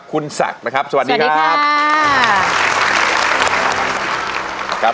คุณสักนะครับสวัสดีครับสวัสดีครับ